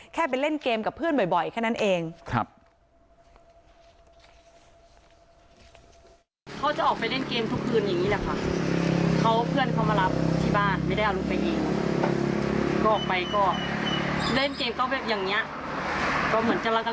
แค่ไปเล่นเกมกับเพื่อนบ่อยแค่นั้นเอง